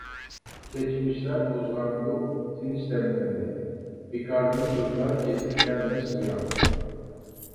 كەچمىشلەر بۇزغاندۇ تىنچ دەملىرىنى، بىكاردىن يۇرتلار كېزىپ كەلمەس بۇيان.